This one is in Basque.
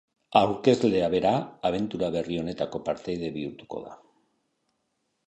Aurkezlea bera, abentura berri honetako partaide bihurtuko da.